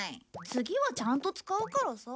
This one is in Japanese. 次はちゃんと使うからさ。